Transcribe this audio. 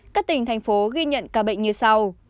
các tỉnh thành phố ghi nhận ca bệnh như sau